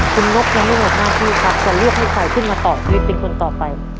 คุณนกน้องนกน้องพี่ค่ะจะเลือกให้ใครขึ้นมาต่อพลิปเป็นคนต่อไป